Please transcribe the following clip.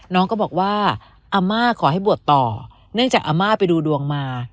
น้องก็บอกว่าอาม่าขอให้บวชต่อเนื่องจากอาม่าไปดูดวงมา